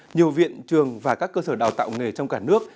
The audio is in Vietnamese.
nhiều viện trường và các cơ sở đào tạo nghề trong cả nước